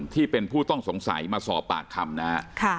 ที่เป็นผู้ต้องสงสัยมาสอบปากคำนะฮะ